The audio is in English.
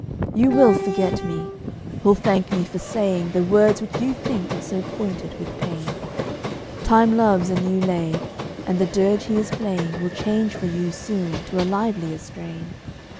You will forget me; will thank me for saying The words which you think are so pointed with pain. Time loves a new lay; and the dirge he is playing Will change for you soon to a livelier strain.